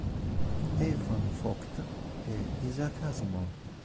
E. van Vogt e Isaac Asimov.